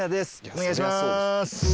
お願いします。